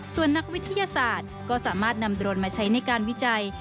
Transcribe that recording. ส่วนนักวิทยาศาสตร์ก็สามารถนำโดรนมาใช้ในการวิจัย